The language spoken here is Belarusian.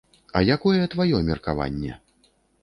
А якое тваё меркаванне?